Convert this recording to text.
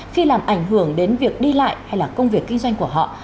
khi làm ảnh hưởng đến việc đi lại hay là công việc kinh doanh của họ